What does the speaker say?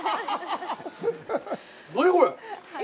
何これ。